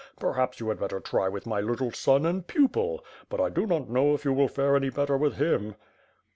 Perhaps you had better try with my little son and pupil, but I do not know if you will fare any better with him."